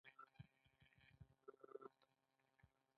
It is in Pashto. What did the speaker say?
افغانستان د هرات له امله شهرت لري.